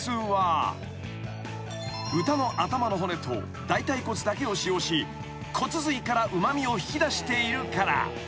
［豚の頭の骨と大腿骨だけを使用し骨髄からうま味を引き出しているから］